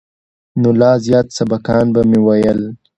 نو لا زيات سبقان به مې ويل.